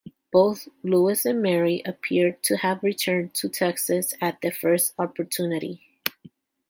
Both Louis and Mary appear to have returned to Texas at the first opportunity.